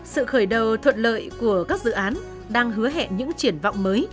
sự khởi đầu thuận lợi của các dự án đang hứa hẹn những triển vọng mới